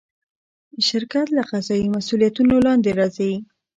شرکت له قضایي مسوولیتونو لاندې راځي.